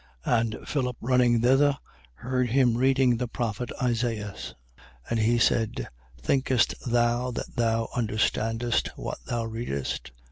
8:30. And Philip running thither, heard him reading the prophet Isaias. And he said: Thinkest thou that thou understandest what thou readest?